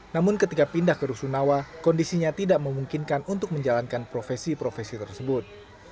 namun ketika pindah ke rusunawa kondisinya tidak memungkinkan untuk menjalankan profesi profesi tersebut